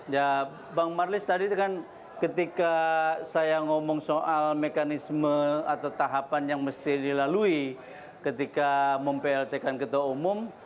ya bang marlis tadi kan ketika saya ngomong soal mekanisme atau tahapan yang mesti dilalui ketika mem plt kan ketua umum